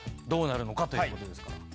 どうなるのか？ということですから。